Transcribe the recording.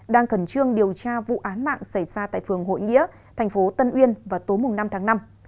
đang khẩn trương điều tra vụ án mạng xảy ra tại phường hội nghĩa thành phố tân uyên vào tối năm tháng năm